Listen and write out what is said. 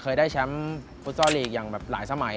เคยได้ชำฟุตซอลยีกอย่างหลายสมัย